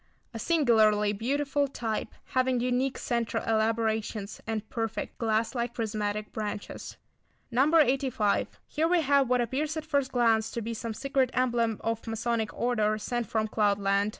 A singularly beautiful type, having unique centre elaborations, and perfect, glass like prismatic branches. No. 85. Here we have what appears at first glance to be some secret emblem or Masonic order sent from cloud land.